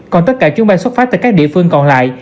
còn tất cả chuyến bay xuất phát từ các địa phương còn lại